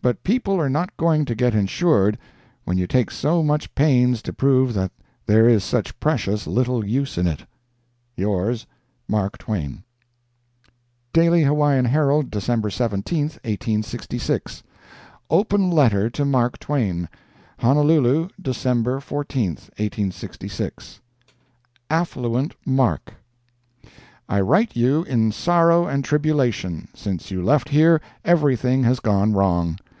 But people are not going to get insured, when you take so much pains to prove that there is such precious little use in it. Yours, MARK TWAIN. DAILY HAWAIIAN HERALD, December 17, 1866 OPEN LETTER TO MARK TWAIN. HONOLULU, Dec. 14, 1866 AFFLUENT MARK:—I write you in sorrow and tribulation. Since you left here, everything has gone wrong.